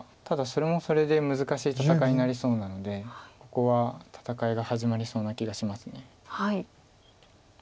ただそれもそれで難しい戦いになりそうなのでここは戦いが始まりそうな気がします。